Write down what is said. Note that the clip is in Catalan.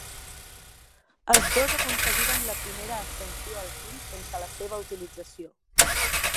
Els dos aconseguiren la primera ascensió al cim sense la seva utilització.